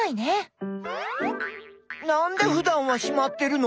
なんでふだんはしまってるの？